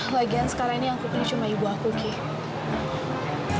lagian sekarang ini aku punya cuma ibu aku kay